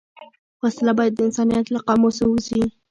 وسله باید د انسانیت له قاموسه ووځي